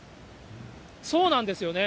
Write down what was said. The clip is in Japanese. そうなんですよね。